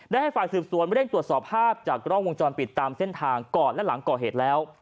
ให้ฝ่ายสืบสวนเร่งตรวจสอบภาพจากกล้องวงจรปิดตามเส้นทางก่อนและหลังก่อเหตุแล้ว